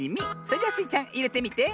それじゃスイちゃんいれてみて。